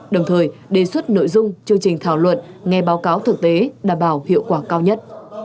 đồng thời đề xuất nội dung chương trình thảo luận nghe báo cáo thực tế đảm bảo hiệu quả cao nhất